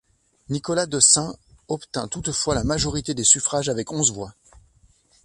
Nicolas de Sains obtint toutefois la majorité des suffrages avec onze voix.